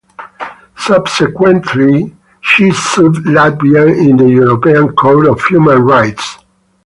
Subsequently she sued Latvia in the European Court of Human Rights.